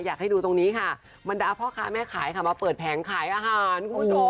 อยากให้ดูตรงนี้ค่ะมันได้เอาพ่อค้าแม่ขายมาเปิดแผงขายอาหาร